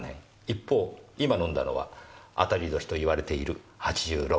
一方今飲んだのは当たり年といわれている８６年。